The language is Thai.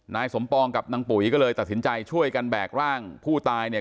นายสมปองกับนางปุ๋ยก็เลยตัดสินใจช่วยกันแบกร่างผู้ตายเนี่ย